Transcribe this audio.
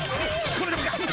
これでもか！